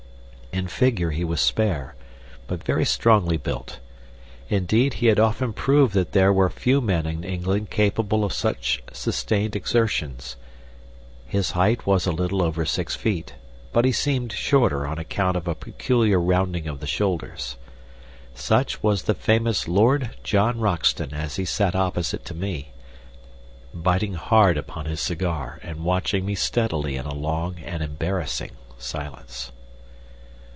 In figure he was spare, but very strongly built indeed, he had often proved that there were few men in England capable of such sustained exertions. His height was a little over six feet, but he seemed shorter on account of a peculiar rounding of the shoulders. Such was the famous Lord John Roxton as he sat opposite to me, biting hard upon his cigar and watching me steadily in a long and embarrassing silence.